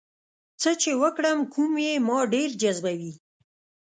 څه چې وکړم کوم یې ما ډېر جذبوي؟